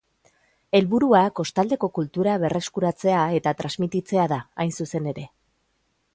Helburua kostaldeko kultura berreskuratzea eta transmititzea da, hain zuzen ere.